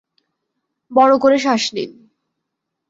বড় করে শ্বাস নিন।